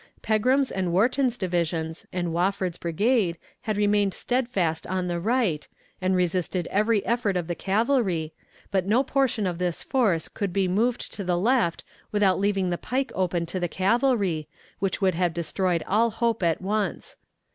Pegram's and Wharton's divisions and Wofford's brigade had remained steadfast on the right, and resisted every effort of the cavalry, but no portion of this force could be moved to the left without leaving the pike open to the cavalry, which would have destroyed all hope at once.